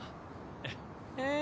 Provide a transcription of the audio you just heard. ええ。